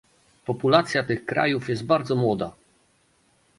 Populacja tych krajów jest bardzo młoda